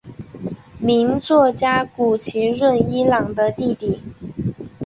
名作家谷崎润一郎的弟弟。